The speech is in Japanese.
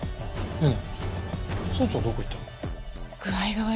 うん。